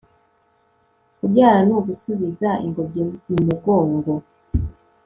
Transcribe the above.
kubyara ni ugusubiza ingobyi imugongo